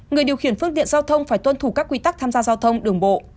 người điều khiển phương tiện giao thông phải tuân thủ các quy tắc tham gia giao thông đường bộ